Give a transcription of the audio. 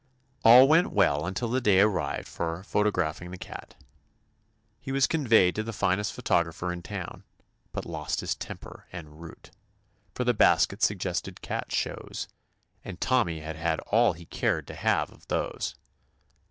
All went well until the day arrived for photographing the cat. He was 16? THE ADVENTURES OF conveyed to the finest photographer in town, but lost his temper en route, for the basket suggested cat shows, and Tommy had had all he cared to have of those.